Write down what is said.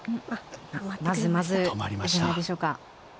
まずまずじゃないでしょうか。